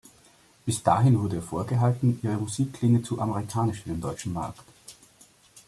Bis dahin wurde ihr vorgehalten, ihre Musik klinge zu amerikanisch für den deutschen Markt.